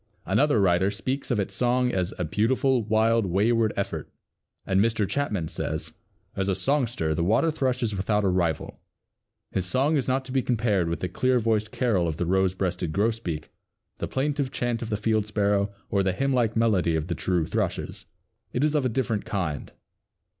Another Writer speaks of its song as "a beautiful, wild, wayward effort," and Mr. Chapman says, "As a songster the Water thrush is without a rival. His song is not to be compared with the clear voiced carol of the rose breasted grosbeak, the plaintive chant of the field sparrow, or the hymnlike melody of the true thrushes; it is of a different kind.